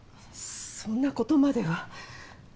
そんなことまでは。